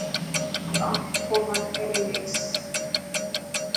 پنکو بند ڪري ٻيس.